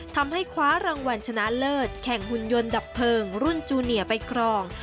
ทำให้คว้ารางวัลชนะเลิศแข่งหุ่นยนต์ดับเพลิงรุ่นจูเนียไปครอง